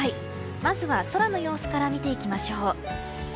まずは空の様子から見てきましょう。